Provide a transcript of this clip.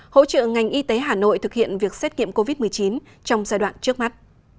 hỗ trợ ngành y tế hà nội thực hiện việc xét nghiệm covid một mươi chín trong giai đoạn trước mắt